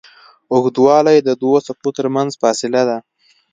اوږدوالی د دوو څپو تر منځ فاصله ده.